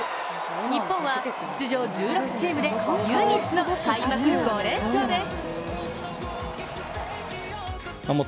日本は出場１６チームで唯一の開幕５連勝です。